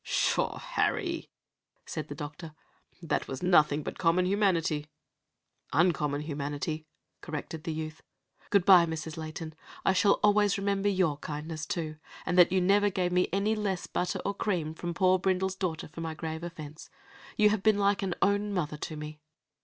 "Pshaw, Harry," said the doctor, "that was nothing but common humanity!" "Uncommon humanity," corrected the youth. "Good by, Mrs. Layton. I shall always remember your kindness, too, and that you never gave me any less butter or cream from poor Brindle's daughter for my grave offense. You have been like an own mother to me."